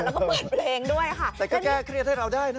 แล้วก็เปิดเพลงด้วยค่ะแต่ก็แก้เครียดให้เราได้นะ